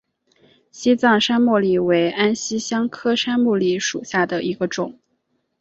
西藏山茉莉为安息香科山茉莉属下的一个种。